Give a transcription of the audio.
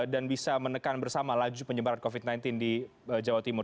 dan bisa menekan bersama laju penyebaran covid sembilan belas di jawa timur